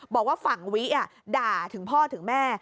บอกว่าฝั่งวิด่าถึงพ่อถึงแม่